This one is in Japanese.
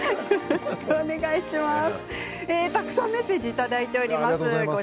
たくさんメッセージをいただいています。